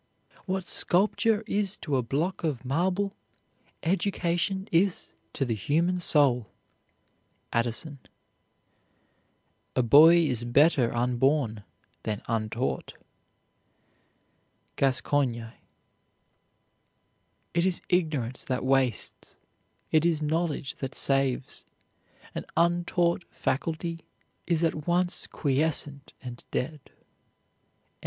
What sculpture is to a block of marble, education is to the human soul. ADDISON. A boy is better unborn than untaught. GASCOIGNE. It is ignorance that wastes; it is knowledge that saves, an untaught faculty is at once quiescent and dead. N.